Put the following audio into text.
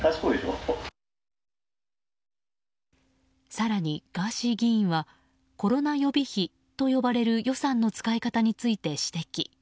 更にガーシー議員はコロナ予備費と呼ばれる予算の使い方について指摘。